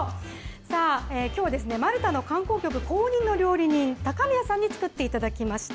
さあ、きょうはマルタの観光局公認の料理人、高宮さんに作っていただきました。